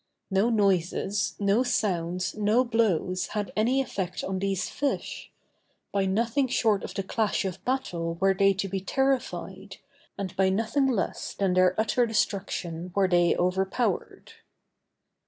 No noises, no sounds, no blows had any effect on these fish; by nothing short of the clash of battle were they to be terrified, and by nothing less than their utter destruction were they overpowered.